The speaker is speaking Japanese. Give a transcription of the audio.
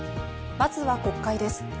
まずは国会です。